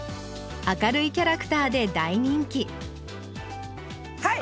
明るいキャラクターで大人気はい！